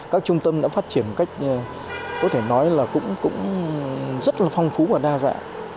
các trung tâm đã phát triển một cách có thể nói là cũng rất là phong phú và đa dạng